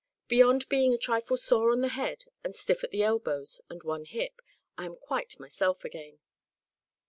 Beyond being a trifle sore on the head, and stiff at the elbows and one hip, I am quite myself again."